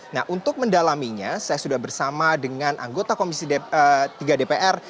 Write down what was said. nah untuk mendalaminya saya sudah bersama dengan anggota komisi tiga dpr